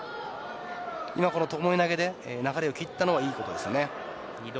今は巴投で流れを切ったのはいいことです。